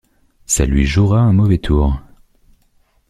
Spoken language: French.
Ça lui jouera un mauvais tour.